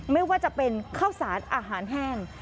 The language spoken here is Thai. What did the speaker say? ไม่ว่าจะเป็นข้าวสารอาหารแห้ง